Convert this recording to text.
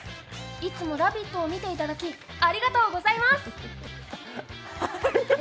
いつも「ラヴィット！」を見ていただきありがとうございます。